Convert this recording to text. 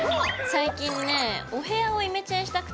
最近ねお部屋をイメチェンしたくて。